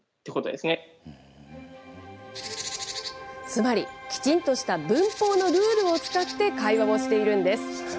つまり、きちんとした文法のルールを使って会話をしているんです。